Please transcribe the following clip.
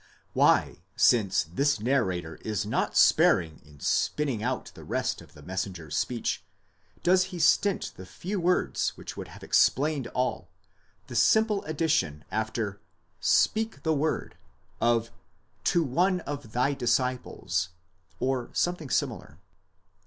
Why, since this narrator is not sparing in spinning out the rest of the messenger's speech, does he stint the few words which would have explained all—the simple ad dition after εἰπὲ λόγῳ, speak the word, of ἑνὶ τῶν μαθητῶν, to one of thy disciples, or something similar?